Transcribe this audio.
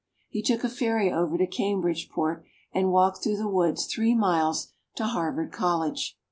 He took a ferry over to Cambridgeport and walked through the woods three miles to Harvard College.